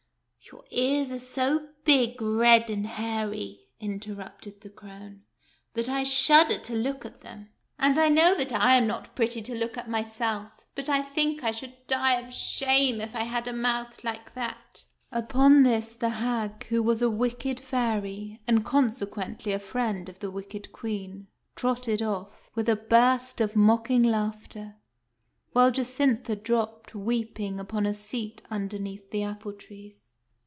"Your ears are so big, red, and hairy," interrupted the crone, " that I shudder to look at them. And I know that I 4 8 THE FAIRY SPINNING WHEEL am not pretty to look at myself, but I think I should die of shame if I had a mouth like that." Upon this the hag, who was a wicked fairy, and, conse quently, a friend of the wicked Queen, trotted off, with a burst of mocking laughter; while Jacintha dropped, weeping, upon a seat underneath the apple trees.